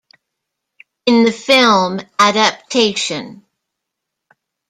In the film Adaptation.